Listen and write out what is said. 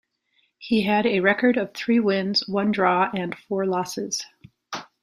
He had a record of three wins, one draw and four losses.